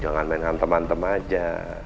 jangan main hantem hantem aja